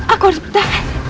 aku harus berdoa